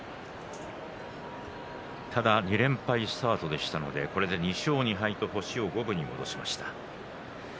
ただ２連敗スタートでしたので、これで２勝２敗と星を五分に戻しました。